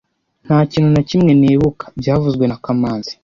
Nta kintu na kimwe nibuka byavuzwe na kamanzi